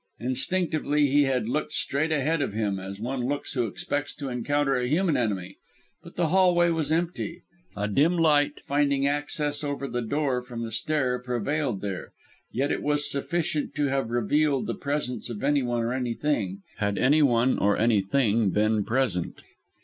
Instinctively he had looked straight ahead of him, as one looks who expects to encounter a human enemy. But the hall way was empty. A dim light, finding access over the door from the stair, prevailed there, yet, it was sufficient to have revealed the presence of anyone or anything, had anyone or anything been present.